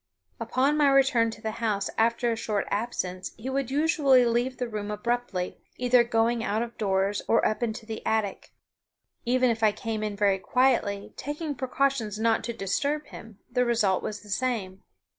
Upon my return to the house after a short absence he would usually leave the room abruptly, either going out of doors or up into the attic. Even if I came in very quietly, taking precautions not to disturb him, the result was the same.